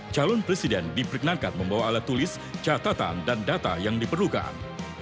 calon presiden diperkenankan membawa alat tulis catatan dan data yang diperlukan